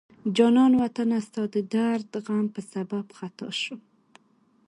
جانان وطنه ستا د درد غم په سبب خطا شم